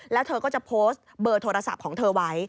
แล้วเธอก็จะโพสต์เบอร์โทรศัพท์ของเธอไว้